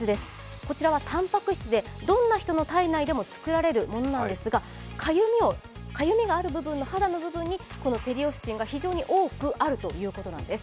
こちらはたんぱく質でどんな人の体内でも作られるものなんですがかゆみがある部分の肌の部分に、このペリオスチンが非常に多くあるということなんです。